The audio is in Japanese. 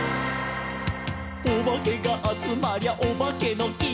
「おばけがあつまりゃおばけのき」